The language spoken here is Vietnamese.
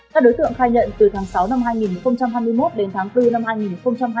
các đối tượng khai nhận từ tháng sáu năm hai nghìn hai mươi một đến tháng bốn năm hai nghìn hai mươi ba